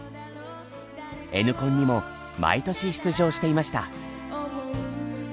Ｎコンにも毎年出場していました。